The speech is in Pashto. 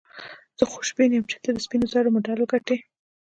زه خوشبین یم چي ته به د سپینو زرو مډال وګټې.